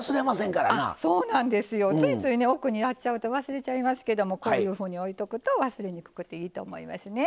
ついつい奥にやっちゃうと忘れちゃいますけどもこういうふうに置いとくと忘れにくくていいと思いますね。